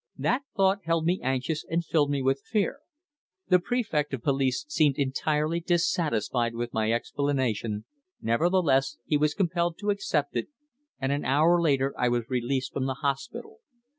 That thought held me anxious and filled me with fear. The Prefect of Police seemed entirely dissatisfied with my explanation, nevertheless he was compelled to accept it, and an hour later I was released from the hospital.